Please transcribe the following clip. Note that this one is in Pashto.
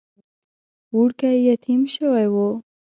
وړوکی يتيم شوی و.